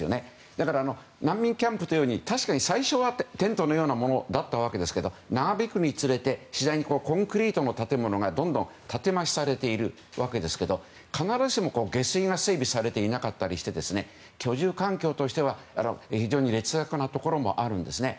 だから難民キャンプというふうに最初はテントのようなものだったんですが長引くにつれて次第にコンクリートの建物がどんどん建て増しされているわけですけど下水が整備されていなかったりして居住環境としては、非常に劣悪なところもあるんです。